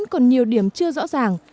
còn nhiều điểm chưa rõ ràng